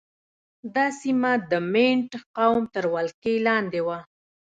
دا سیمه د مینډ قوم تر ولکې لاندې وه.